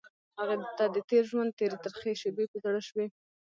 هغې ته د تېر ژوند تېرې ترخې شېبې په زړه شوې.